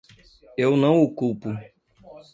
Eu não o culpo.